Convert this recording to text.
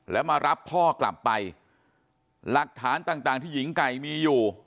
แล้วมารับพ่อกลับไปหลักฐานต่างที่หญิงไก่มีอยู่